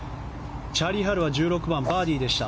チャーリー・ハルは１６番、バーディーでした。